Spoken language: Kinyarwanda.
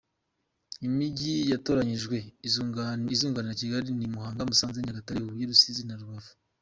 Imijyi yatoranyijwe izunganira Kigali ni Muhanga, Musanze, Nyagatare, Huye, Rusizi, na Rubavu.